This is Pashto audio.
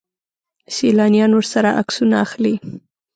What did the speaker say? سیلانیان ورسره عکسونه اخلي.